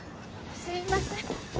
すいません。